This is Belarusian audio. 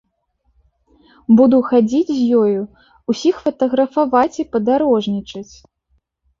Буду хадзіць з ёю, усіх фатаграфаваць і падарожнічаць.